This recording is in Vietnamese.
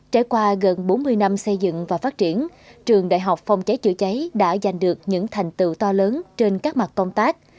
trải qua gần bốn mươi năm xây dựng và phát triển trường đại học phòng cháy chữa cháy đã giành được những thành tựu to lớn trên các mặt công tác